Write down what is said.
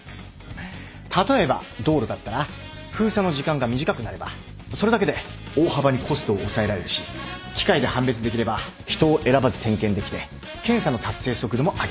例えば道路だったら封鎖の時間が短くなればそれだけで大幅にコストを抑えられるし機械で判別できれば人を選ばず点検できて検査の達成速度も上げられる。